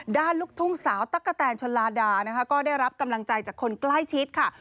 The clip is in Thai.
ลูกทุ่งสาวตั๊กกะแตนชนลาดานะคะก็ได้รับกำลังใจจากคนใกล้ชิดค่ะ